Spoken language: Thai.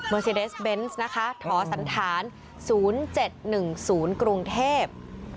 เมอร์ซีเดสเบนส์นะคะท้อสันฐาน๐๗๑๐กรุงเทพ